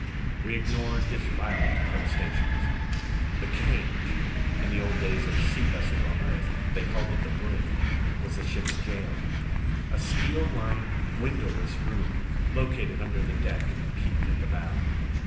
We ignored his violent protestations. The cage in the old days of sea vessels on Earth, they called it the brig was the ship's jail. A steel lined, windowless room located under the deck in the peak of the bow.